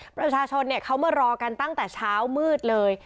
ประชาชนเขามารอกันตั้งแต่เช้ามืดเลย